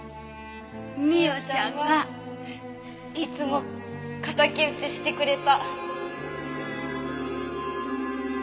ミヨちゃんはいつも敵討ちしてくれた。